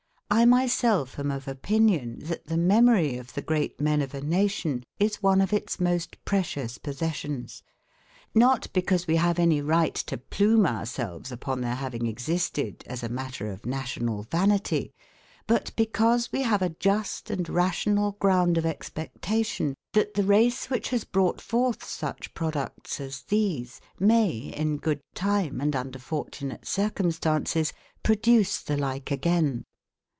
I myself am of opinion that the memory of the great men of a nation is one of its most precious possessions not because we have any right to plume ourselves upon their having existed as a matter of national vanity, but because we have a just and rational ground of expectation that the race which has brought forth such products as these may, in good time and under fortunate circumstances, produce the like again.